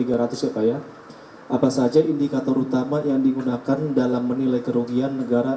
apa ya apa saja indikator utama yang digunakan dalam menilai kerugian negara